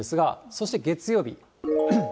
そして月曜日。